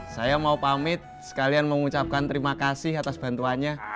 saya mau pamit sekalian mengucapkan terima kasih atas bantuannya